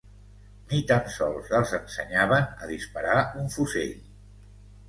Ni tan sols els ensenyaven a disparar un fusell